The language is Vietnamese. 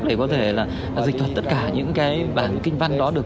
để có thể dịch thuật tất cả những bản kinh văn đó được